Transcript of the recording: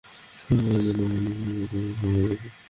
আমরা অনেক সময় ধরে অপেক্ষা করছি।